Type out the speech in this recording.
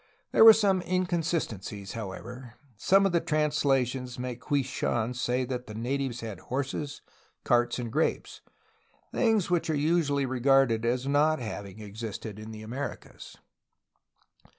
There were some inconsistencies, however. Some of the translations make Hwui Shan say that the na tives had horses, carts, and grapes, — things which are usu ally regarded as not having existed in the Americas.